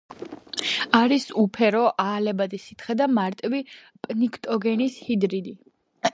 არის უფერო, აალებადი სითხე და მარტივი პნიქტოგენის ჰიდრიდი.